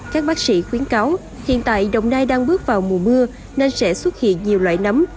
các bác sĩ khuyến cáo hiện tại đồng nai đang bước vào mùa mưa nên sẽ xuất hiện nhiều loại nấm